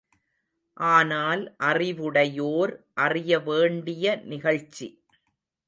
ஆனால் அறிவுடையோர் அறிய வேண்டிய நிகழ்ச்சி.